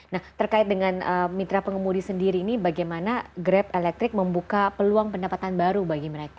nah terkait dengan mitra pengemudi sendiri ini bagaimana grab elektrik membuka peluang pendapatan baru bagi mereka